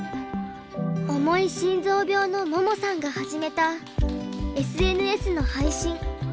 重い心臓病の桃さんが始めたＳＮＳの配信。